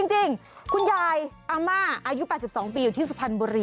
จริงคุณยายอาม่าอายุ๘๒ปีอยู่ที่สุพรรณบุรี